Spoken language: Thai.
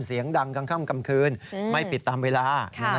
เสียงดังกลางค่ำกลางคืนไม่ปิดตามเวลา